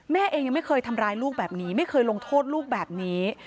แม่เองยังไม่เคยทำร้ายลูกแบบนี้ไม่เคยลงโทษลูกแบบนี้